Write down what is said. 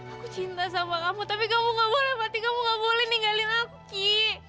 aku cinta sama kamu tapi kamu gak boleh berarti kamu gak boleh ninggalin aku